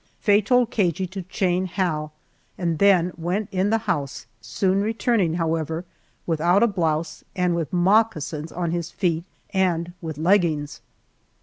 Faye told Cagey to chain Hal and then went in the house, soon returning, however, without a blouse, and with moccasins on his feet and with leggings.